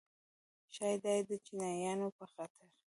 ښایي دا یې د چیچنیایانو په خاطر.